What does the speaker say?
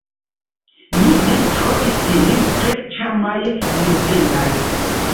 Mi mem trovis ilin tre ĉarmaj, neofendaj.